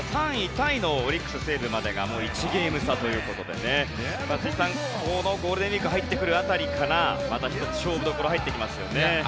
タイのオリックス、西武までが１ゲーム差ということで辻さん、このゴールデンウィーク入ってくる辺りからまた１つ、勝負どころ入ってきますよね。